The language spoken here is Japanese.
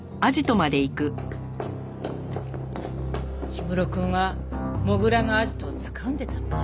氷室くんは土竜のアジトをつかんでたのね？